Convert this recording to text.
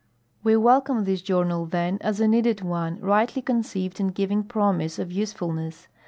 We welcome this journal, then, as a needed one, rightly conceived and giving promise of usefulness.